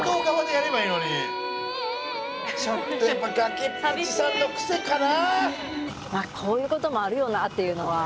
ちょっとやっぱ崖っぷちさんの癖かな？